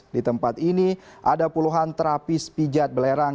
di tempat ini ada puluhan terapis pijat belerang